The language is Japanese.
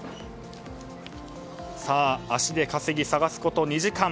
足で稼ぎ、探すこと２時間。